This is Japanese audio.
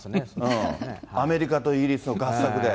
アメリカとイギリスの合作で。